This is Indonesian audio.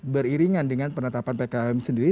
beriringan dengan penetapan ppkm sendiri